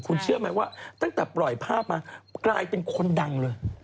คุณเชื่อไหมว่าตั้งแต่ปล่อยภาพมากลายเป็นคนดังเลย